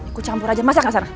aku campur aja masak gak sana